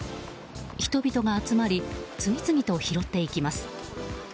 人々が集まり次々と拾っていきます。